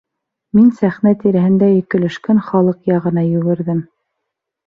Мин сәхнә тирәһендә өйкөлөшкән халыҡ яғына йүгерҙем.